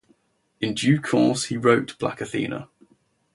In due course he wrote "Black Athena".